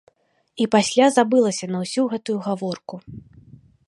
І пасля забылася на ўсю гэтую гаворку.